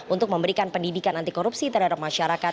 untuk memberikan pendidikan antikorupsi terhadap masyarakat